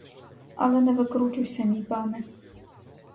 Але не викручуйся, мій пане.